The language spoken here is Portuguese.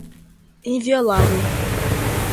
inviolável